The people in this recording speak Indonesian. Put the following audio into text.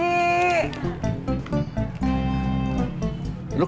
aku di rumah